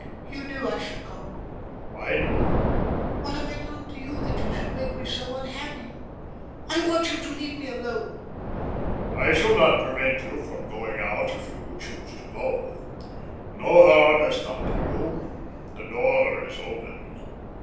"You knew I should come." "I knew." "What have I done to you that you should make me so unhappy? I want you to leave me alone." "I shall not prevent you from going out if you choose to go. No harm has come to you. The door is open."